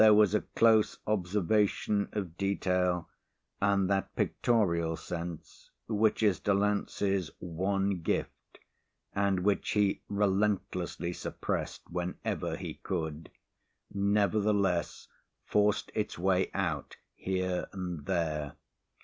There was a close observation of detail and that pictorial sense which is Delancey's one gift and which he relentlessly suppressed whenever he could, nevertheless forced its way out here and there.